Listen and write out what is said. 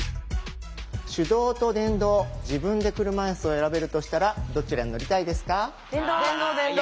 手動と電動自分で車いすを選べるとしたらどちらに乗りたいですか？